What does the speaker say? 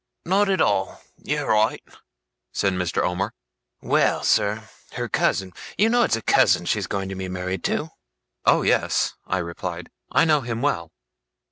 'Not at all! You're right!' said Mr. Omer. 'Well, sir, her cousin you know it's a cousin she's going to be married to?' 'Oh yes,' I replied. 'I know him well.